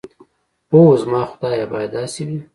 اوح زما خدايه بايد داسې وي.